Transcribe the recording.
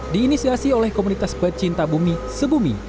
di inisiasi oleh komunitas pecinta bumi sebumi